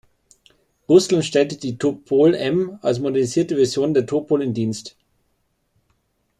Russland stellte die Topol-M als modernisierte Version der Topol in Dienst.